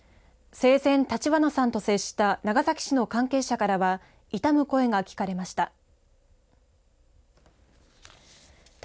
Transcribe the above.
生前、立花さんと接した長崎市の関係者からは悼む声が聞かれました。